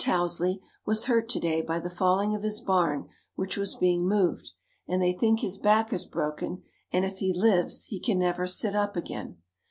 Tousley was hurt to day by the falling of his barn which was being moved, and they think his back is broken and if he lives he can never sit up again.